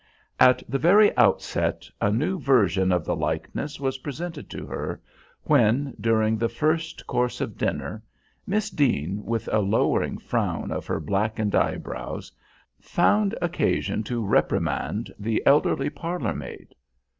At the very outset a new version of the likeness was presented to her when, during the first course of dinner, Miss Deane, with a lowering frown of her blackened eyebrows, found occasion to reprimand the elderly parlour maid.